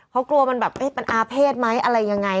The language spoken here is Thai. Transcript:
เพราะกลัวมันแบบเอ๊ะมันอาเพศมั้ยอะไรยังไง